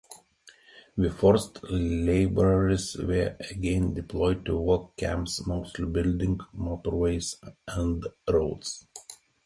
The forced labourers were again deployed to work camps mostly building motorways and roads.